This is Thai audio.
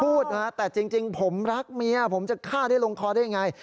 พูดฮะแต่จริงผมรักเมียผมจะฆ่าได้ลงคอได้ยังไง